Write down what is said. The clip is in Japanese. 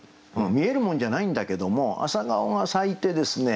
見えるもんじゃないんだけども朝顔が咲いてですね